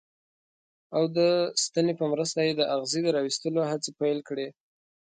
او د ستنې په مرسته یې د اغزي د را ویستلو هڅې پیل کړې.